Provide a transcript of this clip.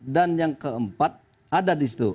dan yang keempat ada disitu